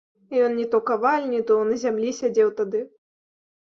Ён ні то каваль, ні то на зямлі сядзеў тады.